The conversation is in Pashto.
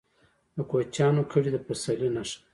د کوچیانو کډې د پسرلي نښه ده.